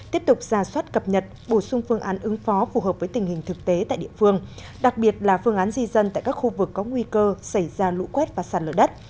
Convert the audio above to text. tiếp tục ra soát cập nhật bổ sung phương án ứng phó phù hợp với tình hình thực tế tại địa phương đặc biệt là phương án di dân tại các khu vực có nguy cơ xảy ra lũ quét và sạt lở đất